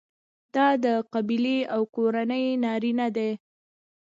دا د قبیلې او کورنۍ نارینه دي.